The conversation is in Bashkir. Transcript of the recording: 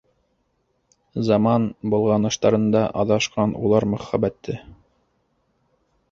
Заман болғаныштарында аҙашҡан улар мөхәббәте.